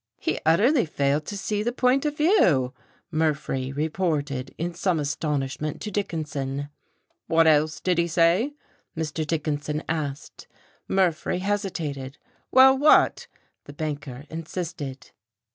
"He utterly failed to see the point of view," Murphree reported in some astonishment to Dickinson. "What else did he say?" Mr. Dickinson asked. Murphree hesitated. "Well what?" the banker insisted.